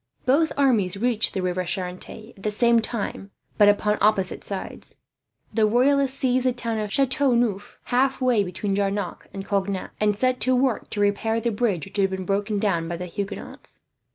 Both armies reached the river Charente at the same time, but upon opposite sides. The Royalists seized the town of Chateau Neuf, halfway between Jarnac and Cognac; and set to work to repair the bridge, which had been broken down by the Huguenots.